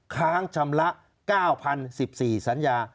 ค้างชำระ๙๐๑๔สัญญา